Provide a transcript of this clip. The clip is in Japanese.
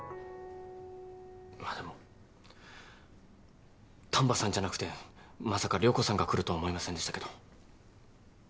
まあでも丹波さんじゃなくてまさか涼子さんが来るとは思いませんでしたけど。